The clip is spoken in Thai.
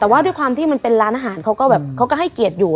แต่ว่าด้วยความเป็นร้านอาหารเกียรติอยู่